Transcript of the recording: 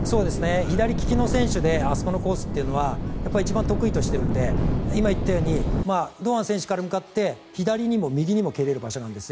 左利きの選手であそこのコースというのは一番得意としているので今言ったように、堂安選手から向かって右にも左にも蹴れる場所なんです。